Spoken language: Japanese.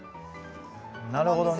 なるほどね。